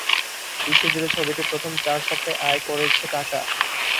বিশ্ব জুড়ে ছবিটি প্রথম চার সপ্তাহে আয় করেছে টাকা।